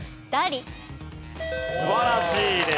素晴らしいです。